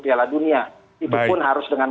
piala dunia itu pun harus dengan